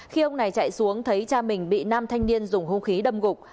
khi ông này chạy xuống thấy cha mình bị nam thanh niên dùng hung khí đâm gục